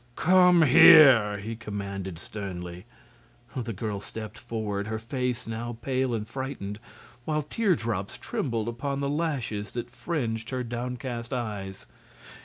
"Come here!" he commanded, sternly. The girl stepped forward, her face now pale and frightened, while tear drops trembled upon the lashes that fringed her downcast eyes.